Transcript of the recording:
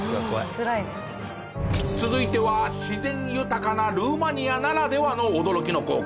続いては自然豊かなルーマニアならではの驚きの光景。